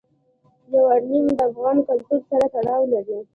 یورانیم د افغان کلتور سره تړاو لري.